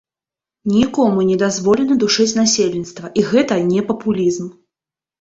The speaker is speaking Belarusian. Нікому не дазволена душыць насельніцтва, і гэта не папулізм.